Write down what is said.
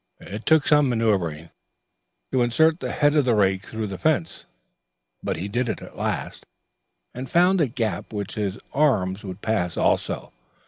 It took some manoeuvring to insert the head of the rake through the fence, but he did it at last, and found a gap which his arms would pass also.